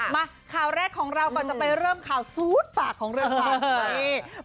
มาข่าวแรกของเราก่อนจะไปเริ่มข่าวซูดปากของเรือนขวัญ